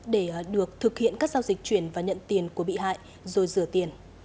để được thực hiện các giao dịch chuyển và nhận tiền của bị hại rồi rửa tiền